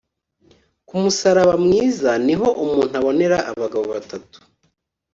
Ku musaraba mwiza niho umuntu abonera abagabo batatu